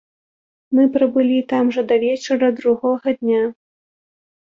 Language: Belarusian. Мы прабылі там жа да вечара другога дня.